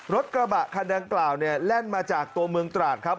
รถกระบะคันดังกล่าวเนี่ยแล่นมาจากตัวเมืองตราดครับ